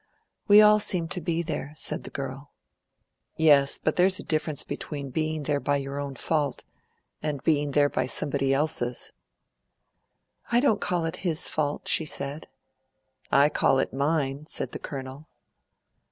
"We all seem to be there," said the girl. "Yes, but there's a difference between being there by your own fault and being there by somebody else's." "I don't call it his fault," she said. "I call it mine," said the Colonel.